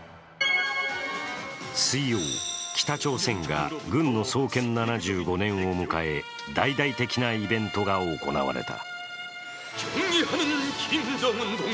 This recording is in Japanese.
水曜、北朝鮮が軍の創建７５年を迎え、大々的なイベントが行われた。